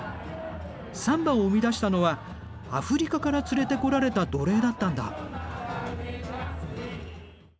サンバを生み出したのはアフリカから連れてこられた奴隷だったんだ。